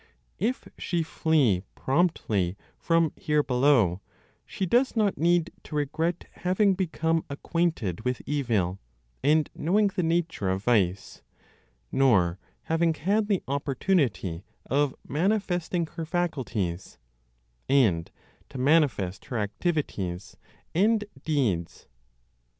If she flee promptly from here below, she does not need to regret having become acquainted with evil, and knowing the nature of vice, nor having had the opportunity of manifesting her faculties, and to manifest her activities and deeds.